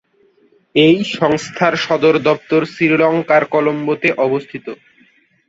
এই সংস্থার সদর দপ্তর শ্রীলঙ্কার কলম্বোতে অবস্থিত।